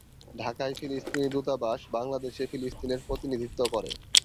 ঢাকায় ফিলিস্তিনি দূতাবাস বাংলাদেশে ফিলিস্তিনের প্রতিনিধিত্ব করে।